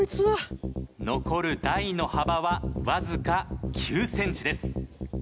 残る台の幅は僅か９ｃｍです。